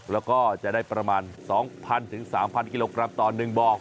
แล้วก็จะได้ประมาณ๒๐๐๓๐๐กิโลกรัมต่อ๑บ่อ